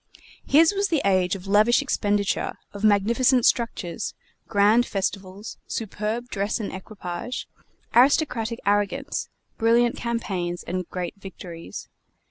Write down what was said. His was the age of lavish expenditure, of magnificent structures, grand festivals, superb dress and equipage, aristocratic arrogance, brilliant campaigns, and great victories.